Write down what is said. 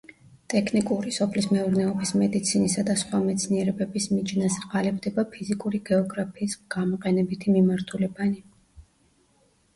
ტექნიკური, სოფლის მეურნეობის, მედიცინისა და სხვა მეცნიერებების მიჯნაზე ყალიბდება ფიზიკური გეოგრაფიის გამოყენებითი მიმართულებანი.